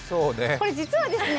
これ、実はですね